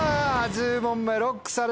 １０問目ＬＯＣＫされました。